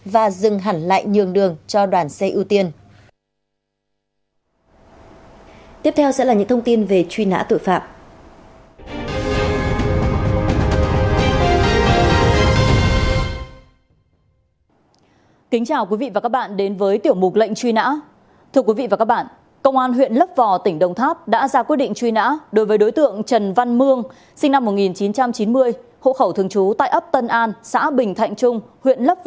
và dừng hẳn lại nhường đường cho đoàn xe ưu tiên